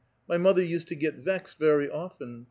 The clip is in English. My mother used to get vexed very often.